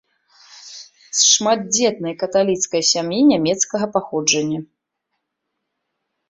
З шматдзетнай каталіцкай сям'і нямецкага паходжання.